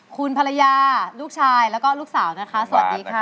คุณภรรยาลูกชายแล้วก็ลูกสาวนะคะสวัสดีค่ะ